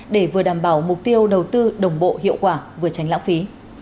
để vừa đảm bảo mục tiêu đầu tư đồng bộ hiệu quả vừa tránh lãng phí